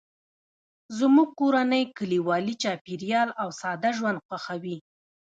زموږ کورنۍ کلیوالي چاپیریال او ساده ژوند خوښوي